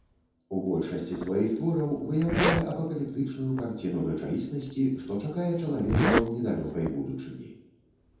У большасці сваіх твораў выяўляе апакаліптычную карціну рэчаіснасці, што чакае чалавецтва ў недалёкай будучыні.